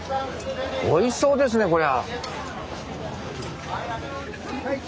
おいしそうですねこりゃ。